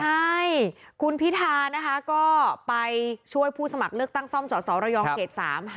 ใช่คุณพิธานะคะก็ไปช่วยผู้สมัครเลือกตั้งซ่อมสสระยองเขต๓๕